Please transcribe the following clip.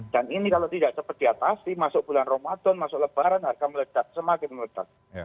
dan ini kalau tidak cepat diatasi masuk bulan ramadan masuk lebaran harga meledak semakin meledak